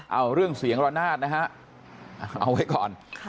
เอาเรื่องเสียงระนาดนะฮะเอาไว้ก่อน